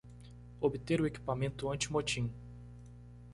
Obter o equipamento anti-motim!